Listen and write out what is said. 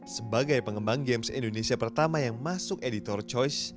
sebagai pengembang games indonesia pertama yang masuk editor choice